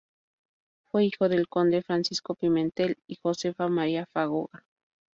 Fue hijo del conde Francisco Pimentel y Josefa María Fagoaga.